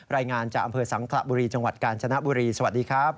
รายงานจากอำเภอสังขระบุรีจังหวัดกาญจนบุรีสวัสดีครับ